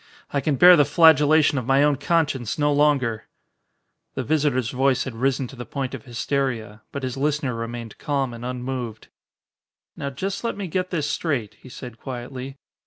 I can bear the flagellation of my own conscience no longer." The visitor's voice had risen to the point of hysteria. But his listener remained calm and unmoved. "Now just let me get this straight," he said quietly.